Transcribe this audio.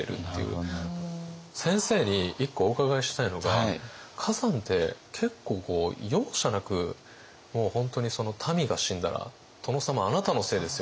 先生に１個お伺いしたいのが崋山って結構容赦なく本当に「民が死んだら殿様あなたのせいですよ」